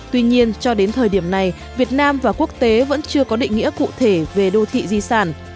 tuy nhiên cho đến thời điểm này việt nam và quốc tế vẫn chưa có định nghĩa cụ thể về đô thị di sản